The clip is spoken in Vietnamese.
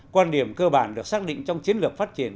quan điểm cơ bản được xác định trong chiến lược phát triển